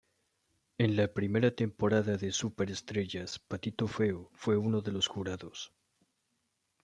En la primera temporada de Super estrellas Patito feo fue uno de los jurados.